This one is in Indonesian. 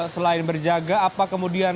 selain berjaga apa kemudian